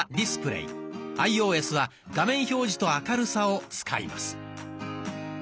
アイオーエスは「画面表示と明るさ」を使います。